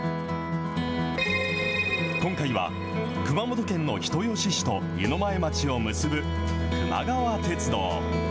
今回は熊本県の人吉市と湯前町を結ぶ、くま川鉄道。